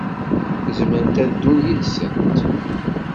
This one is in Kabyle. Zemrent ad ddun yid-sent.